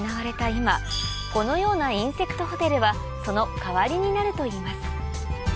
今このようなインセクトホテルはその代わりになるといいます